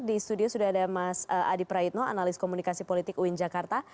di studio sudah ada mas adi praitno analis komunikasi politik uin jakarta